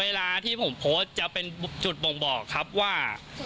เอาโพสต์นั้นมาได้ยังไงครับว่า